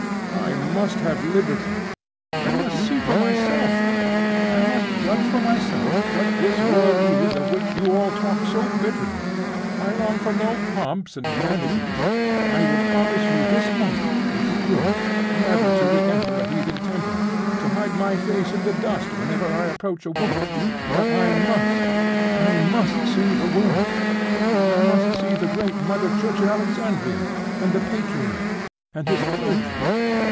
I must have liberty! I must see for myself I must judge for myself, what this world is of which you all talk so bitterly. I long for no pomps and vanities. I will promise you this moment, if you will, never to re enter a heathen temple to hide my face in the dust whenever I approach a woman. But I must I must see the world; I must see the great mother church in Alexandria, and the patriarch, and his clergy.